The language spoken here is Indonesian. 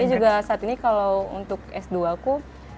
saya juga saat ini kalau untuk s dua aku